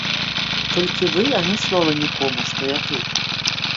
Толькі вы ані слова нікому, што я тут.